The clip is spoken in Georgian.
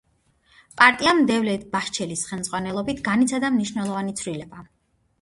პარტიამ, დევლეთ ბაჰჩელის ხელმძღვანელობით, განიცადა მნიშვნელოვანი ცვლილება.